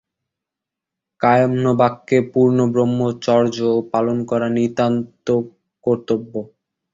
কায়মনোবাক্যে পূর্ণ ব্রহ্মচর্য পালন করা নিত্যন্ত কর্তব্য।